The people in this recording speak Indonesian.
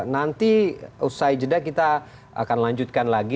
nanti usai jeda kita akan lanjutkan lagi